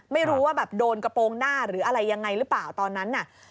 ไม่รู้ว่าแบบโดนกระโปรงหน้าหรืออะไรยังไงหรือเปล่าตอนนั้นน่ะ